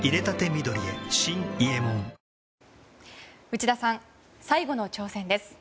内田さん最後の挑戦です。